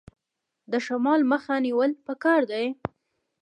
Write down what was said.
د شمال مخه نیول پکار دي؟